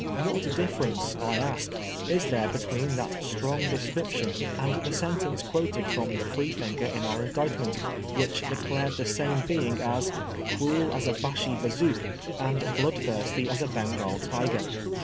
What difference, I ask, is there between that strong descrip tion and the sentence quoted from the Freethinker in our Indictment, which declared the same being as <^ cruel as a Bashi Bazouk and bloodthirsty as a Bengal tiger"